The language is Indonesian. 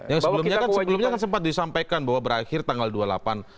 yang sebelumnya kan sempat disampaikan bahwa berakhir tanggal dua puluh delapan september